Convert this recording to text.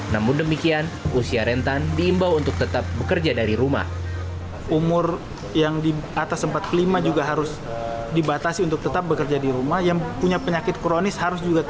namun demikian usia rentan diimbau untuk tetap bekerja dari rumah